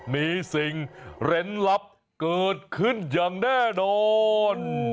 มีสิ่งเหรนลับเกิดขึ้นอย่างแน่นอน